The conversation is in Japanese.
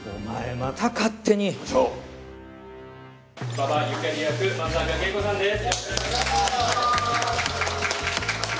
馬場ゆかり役松坂慶子さんです。